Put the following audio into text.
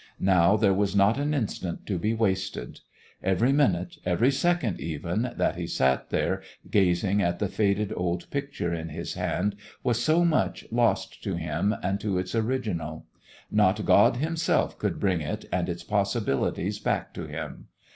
Now there was not an instant to be wasted. Every minute, every second even, that he sat there gazing at the faded old picture in his hand was so much lost to him and to its original. Not God himself could bring it and its possibilities back to him.